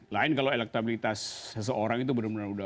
lain kalau elektabilitas seseorang itu benar benar udah